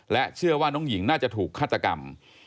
เชื่อว่าน้องหญิงน่าจะถูกฆาตกรรม